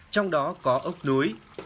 trong đó có ốc núi